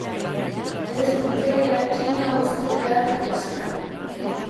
Ez dute eraikina hustu beharrik izan.